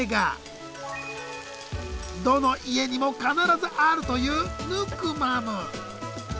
どの家にも必ずあるというヌクマム。